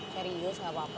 serius gak apa apa